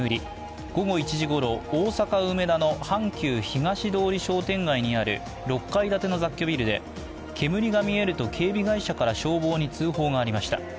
午後１時ごろ、大阪・梅田の阪急東通商店街にある６階建ての雑居ビルで煙が見えると警備会社から消防に通報がありました。